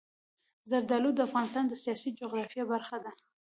زردالو د افغانستان د سیاسي جغرافیه برخه ده.